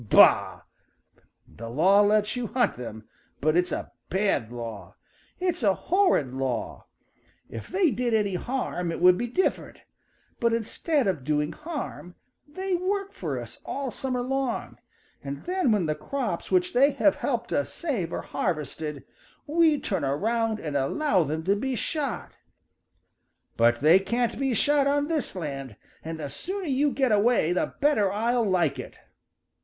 Bah! The law lets you hunt them, but it's a bad law. It's a horrid law. If they did any harm it would be different. But instead of doing harm they work for us all summer long, and then when the crops which they have helped us save are harvested, we turn around and allow them to be shot! But they can't be shot on this land, and the sooner you get away the better I'll like it."